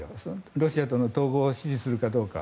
ロシアとの統合を支持するかどうか。